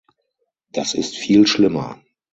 Das ist viel schlimmer!